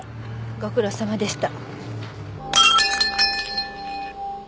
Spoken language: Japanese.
ご苦労さまでした。